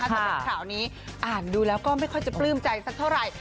สำหรับข่าวนี้อ่านดูแล้วก็ไม่ค่อยจะปลื้มใจสักเท่าไหร่